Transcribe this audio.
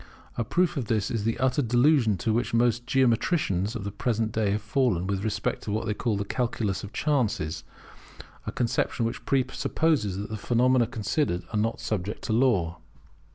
A proof of this is the utter delusion into which most geometricians of the present day have fallen with respect to what they call the Calculus of Chances; a conception which presupposes that the phenomena considered are not subject to law.